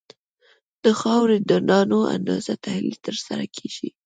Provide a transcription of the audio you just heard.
د خاورې د دانو د اندازې تحلیل ترسره کیږي